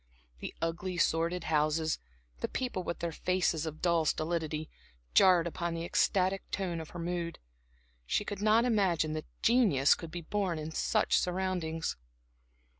The ugly, sordid houses, the people with their faces of dull stolidity, jarred upon the ecstatic tone of her mood. She could not imagine that genius could be born in such surroundings.